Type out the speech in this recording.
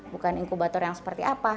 bukan inkubator yang seperti apa